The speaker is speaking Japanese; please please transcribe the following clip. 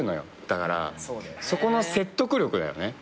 だからそこの説得力だよね。